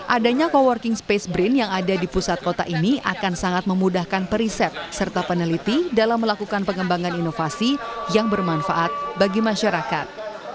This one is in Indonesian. adanya co working space brin yang ada di pusat kota ini akan sangat memudahkan periset serta peneliti dalam melakukan pengembangan inovasi yang bermanfaat bagi masyarakat